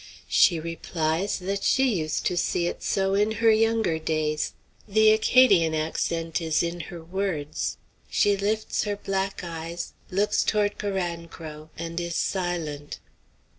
She replies that she used to see it so in her younger days. The Acadian accent is in her words. She lifts her black eyes, looks toward Carancro, and is silent.